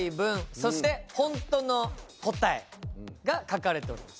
そして本当の答えが書かれております。